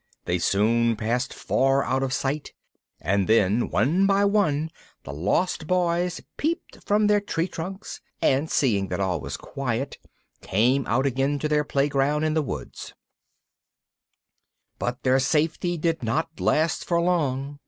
They soon passed far out of sight, and then, one by one, the Lost Boys peeped from their tree trunks and, seeing that all was quiet, came out again to their playground in the woods. [Illustration: THE INDIANS CREPT SILENTLY UP] But their safety did not last for long.